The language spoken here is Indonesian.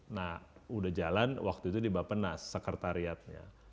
nah udah jalan waktu itu dibapenas sekretariatnya